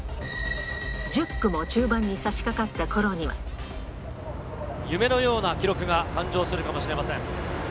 １０区も中盤にさしかかった夢のような記録が誕生するかもしれません。